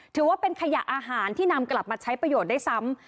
ถือว่าเป็นขยะอาหารที่นำกลับมาใช้ประโยชน์ได้ซ้ำ